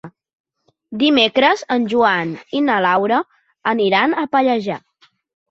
Dimecres en Joan i na Laura aniran a Pallejà.